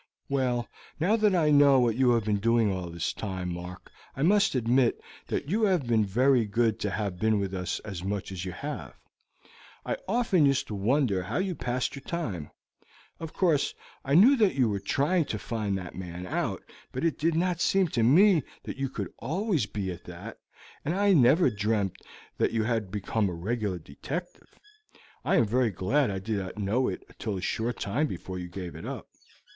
"Well, now that I know what you have been doing all this time, Mark, I must admit that you have been very good to have been with us as much as you have. I often used to wonder how you passed your time. Of course I knew that you were trying to find that man out, but it did not seem to me that you could be always at that, and I never dreamt that you had become a regular detective. I am very glad I did not know it till a short time before you gave it up.